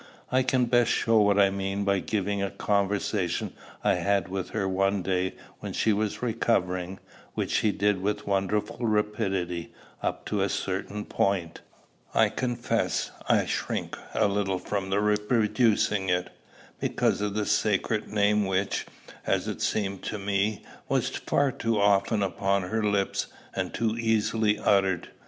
I can best show what I mean by giving a conversation I had with her one day when she was recovering, which she did with wonderful rapidity up to a certain point. I confess I shrink a little from reproducing it, because of the sacred name which, as it seemed to me, was far too often upon her lips, and too easily uttered.